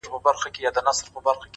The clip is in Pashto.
• بيا کرار ؛کرار د بت و خواته گوري؛